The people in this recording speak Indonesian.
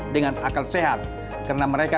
dengan akal sehat karena mereka